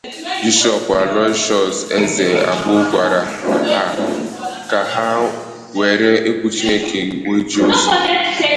Bishọọpụ Aloysius Eze Agboh gwara ha ka ha were egwu Chineke wee jee ozi